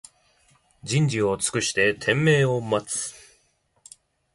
じんじをつくしててんめいをまつ